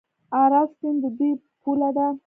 اراس سیند د دوی پوله ده.